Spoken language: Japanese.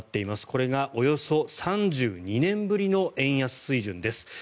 これがおよそ３２年ぶりの円安水準です。